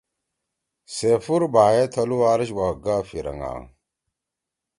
سیفور بھائے تھلُو عرش وا گا پھیرنگا